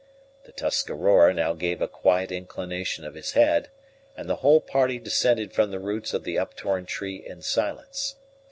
The Tuscarora now gave a quiet inclination of his head, and the whole party descended from the roots of the up torn tree in silence.